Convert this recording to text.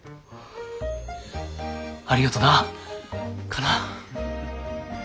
ありがとなカナ。